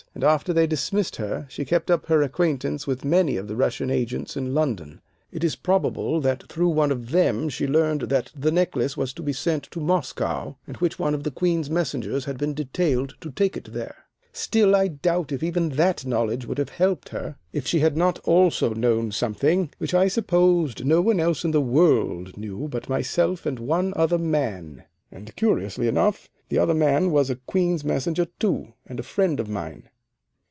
And after they dismissed her she kept up her acquaintance with many of the Russian agents in London. It is probable that through one of them she learned that the necklace was to be sent to Moscow, and which one of the Queen's Messengers had been detailed to take it there. Still, I doubt if even that knowledge would have helped her if she had not also known something which I supposed no one else in the world knew but myself and one other man. And, curiously enough, the other man was a Queen's Messenger too, and a friend of mine.